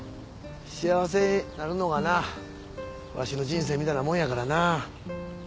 幸せになるのがなわしの人生みたいなもんやからなあ。